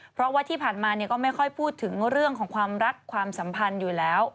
เพราะว่าที่ผ่านมาก็ไม่ค่อยพูดถึงเรื่องของความรักความสัมพันธ์อยู่แล้ว